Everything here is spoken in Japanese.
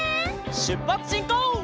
しゅっぱつしんこう！